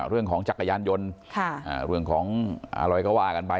เรื่องของจักรยานยนต์ค่าเรื่องของอร่อยกะวาห์กันไป